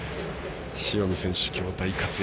塩見選手、きょう、大活躍。